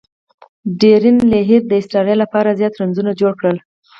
ډیرن لیهر د اسټرالیا له پاره زیات رنزونه جوړ کړل.